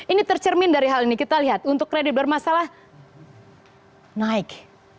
ini tercermin dari hal ini kita lihat untuk kredit bermasalah naik